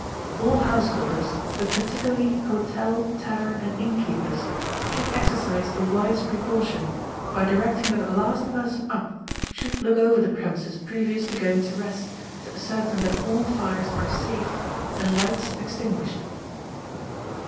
All householders, but particularly hotel, tavern, and inn keepers, should exercise a wise precaution by directing that the last person up should look over the premises previous to going to rest, to ascertain that all fires are safe and lights extinguished.